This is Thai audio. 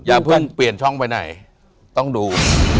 อย่าเพิ่งเปลี่ยนช่องไปไหนต้องดู